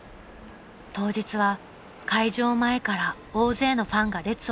［当日は開場前から大勢のファンが列を作りました］